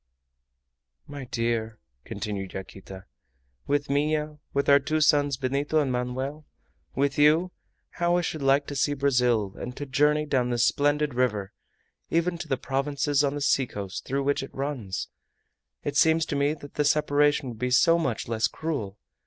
"My dear," continued Yaquita, "with Minha, with our two sons, Benito and Manoel, with you, how I should like to see Brazil, and to journey down this splendid river, even to the provinces on the seacoast through which it runs! It seems to me that the separation would be so much less cruel!